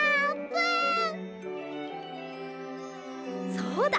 そうだ！